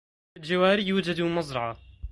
في الجوار يوجد مزرعة.